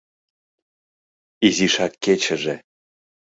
— Изишак кечыже.